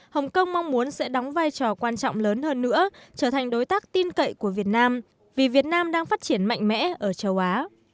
hồng kông mong muốn sẽ đóng vai trò quan trọng lớn hơn nữa trở thành đối tác tin cậy của việt nam vì việt nam đang phát triển mạnh mẽ ở châu á